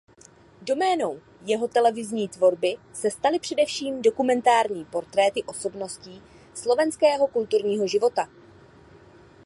Doménou jeho televizní tvorby se staly především dokumentární portréty osobností slovenského kulturního života.